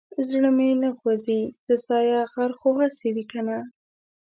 زړه مې نه خوځي له ځايه غر خو هسې وي کنه.